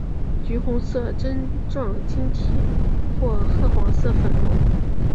橘红色针状晶体或赭黄色粉末。